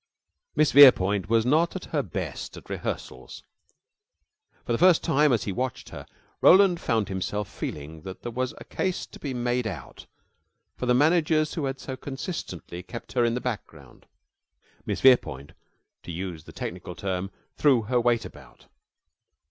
Miss Verepoint was not at her best at rehearsals. For the first time, as he watched her, Roland found himself feeling that there was a case to be made out for the managers who had so consistently kept her in the background. Miss Verepoint, to use the technical term, threw her weight about.